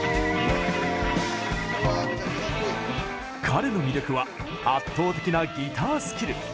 彼の魅力は圧倒的なギタースキル。